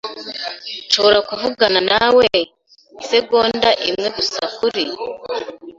Nshobora kuvugana nawe isegonda imwe gusa kuri ?